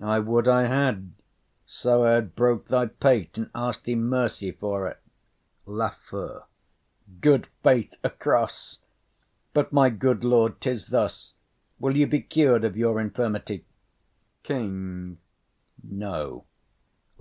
I would I had; so I had broke thy pate, And ask'd thee mercy for't. LAFEW. Good faith, across; But, my good lord, 'tis thus: will you be cur'd Of your infirmity? KING. No.